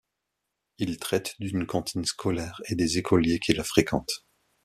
Il traite d'une cantine scolaire et des écoliers qui la fréquentent.